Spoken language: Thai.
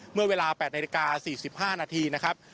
เมื่อเวลา๘นาฬิกา๔๕นาทีนะครับ